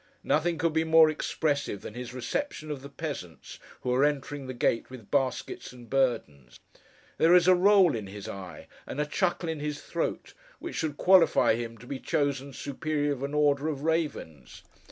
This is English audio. Nothing could be more expressive than his reception of the peasants who are entering the gate with baskets and burdens. There is a roll in his eye, and a chuckle in his throat, which should qualify him to be chosen Superior of an Order of Ravens.